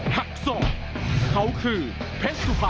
นักมวยจอมคำหวังเว่เลยนะครับ